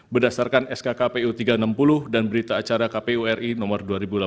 berdasarkan skk pu tiga ratus enam puluh dan berita acara kpu ri nomor dua puluh satu